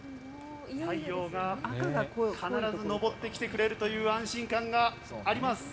太陽が必ず昇ってきてくれるという安心感があります。